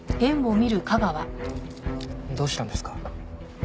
どうしたんですか？